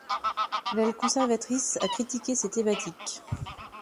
L'aile conservatrice acritiqué ces thématiques.